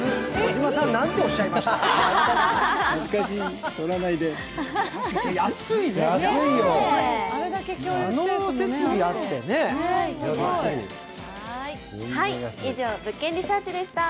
児嶋さん何ておっしゃいました？